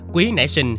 quý nể sinh